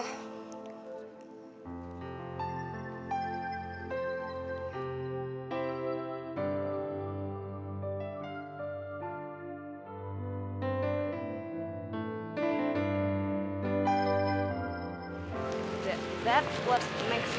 itu adalah meli meli